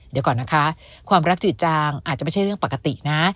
เดี๋ยวก่อนนะคะความรักจืดจางอาจจะไม่ใช่เรื่องปกตินะ